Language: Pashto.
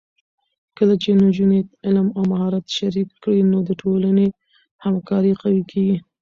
کله چې نجونې علم او مهارت شریک کړي، نو د ټولنې همکاري قوي کېږي.